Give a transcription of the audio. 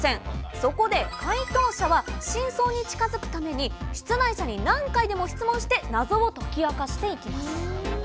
そこで解答者は、真相に近づくために、出題者に何回でも質問して謎を解き明かしていきます。